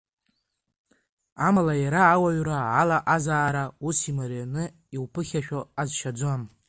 Амала иара Ауаҩра алаҟазаара ус имарианы иуԥыхьашәо ҟазшьаӡам.